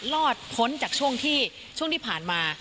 รอดพ้นจากช่วงที่ช่วงที่ผ่านมา